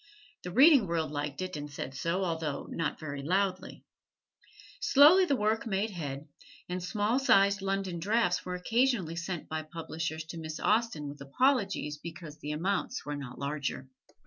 The reading world liked it and said so, although not very loudly. Slowly the work made head, and small sized London drafts were occasionally sent by publishers to Miss Austen with apologies because the amounts were not larger.